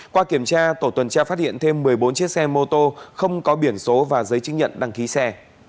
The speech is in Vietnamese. qua kiểm tra tổ tuần tra phát hiện thêm một mươi bốn chiếc xe mô tô không có biển số và giấy chứng nhận đăng ký xe